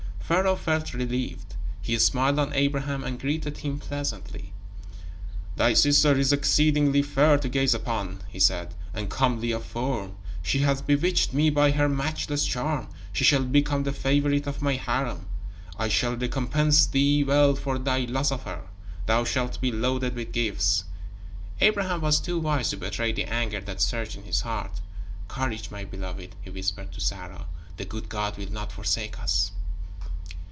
Pharaoh felt relieved. He smiled on Abraham and greeted him pleasantly. "Thy sister is exceeding fair to gaze upon," he said, "and comely of form. She hath bewitched me by her matchless charm. She shall become the favorite of my harem. I will recompense thee well for thy loss of her. Thou shalt be loaded with gifts." Abraham was too wise to betray the anger that surged in his heart. "Courage, my beloved," he whispered to Sarah. "The good God will not forsake us."